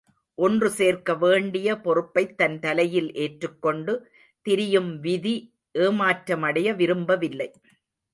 ஒன்று சேர்க்க வேண்டிய பொறுப்பைத் தன் தலையில் ஏற்றுக்கொண்டு திரியும் விதி ஏமாற்றமடைய விரும்பவில்லை.